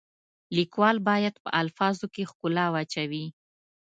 لیکوال باید په الفاظو کې ښکلا واچوي.